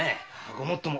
ごもっとも。